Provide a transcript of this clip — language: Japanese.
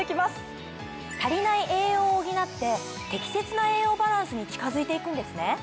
足りない栄養を補って適切な栄養バランスに近づいていくんですね。